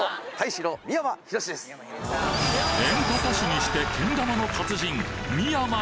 演歌歌手にしてけん玉の達人